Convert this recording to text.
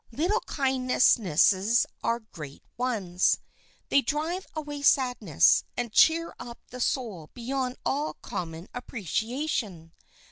Little kindnesses are great ones. They drive away sadness, and cheer up the soul beyond all common appreciation.